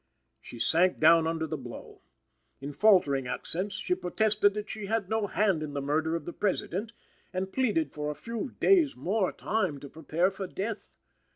She sank down under the blow. In faltering accents she protested that she had no hand in the murder of the President, and pleaded for a few days more time to prepare for death.